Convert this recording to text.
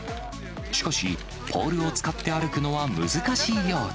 しかし、ポールを使って歩くのは難しいようで。